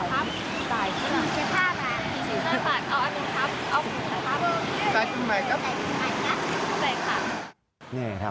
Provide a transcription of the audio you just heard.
๑๕ล้านครับ